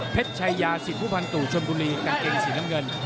เพชรไชยาศิภุพันธุชนบุรีกางเกงสีน้ำเงิน